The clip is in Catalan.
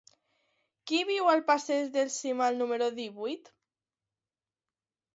Qui viu al passeig del Cimal número divuit?